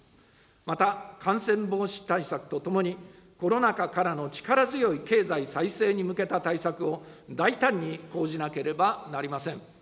また、感染防止対策とともに、コロナ禍からの力強い経済再生に向けた対策を、大胆に講じなければなりません。